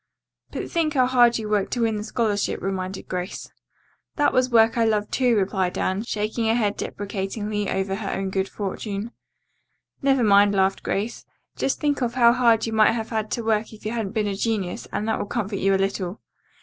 "But think how hard you worked to win the scholarship," reminded Grace. "That was work I loved, too," replied Anne, shaking her head deprecatingly over her own good fortune. "Never mind," laughed Grace. "Just think of how hard you might have had to work if you hadn't been a genius, and that will comfort you a little."